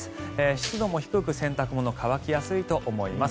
湿度も低く洗濯物、乾きやすいと思います。